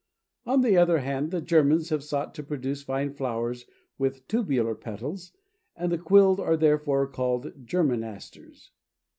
On the other hand the Germans have sought to produce fine flowers with tubular petals, and the quilled are therefore called German Asters.